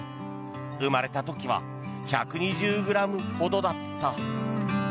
生まれた時は１２０ｇほどだった。